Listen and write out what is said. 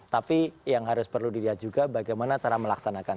tapi yang harus perlu dilihat juga bagaimana cara melaksanakan